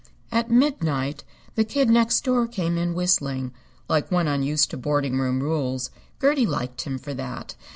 At midnight the Kid Next Door came in whistling, like one unused to boarding house rules. Gertie liked him for that.